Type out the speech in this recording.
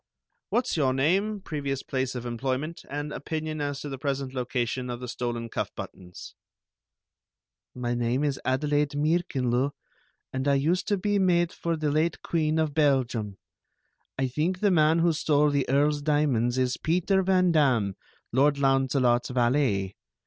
"What's your name, previous place of employment, and opinion as to the present location of the stolen cuff buttons?" "My name is Adelaide Meerckenloo, and I used to be maid to the late Queen of Belgium. I think the man who stole the Earl's diamonds is Peter Van Damm, Lord Launcelot's valet.